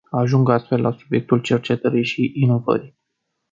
Ajung astfel la subiectul cercetării și inovării.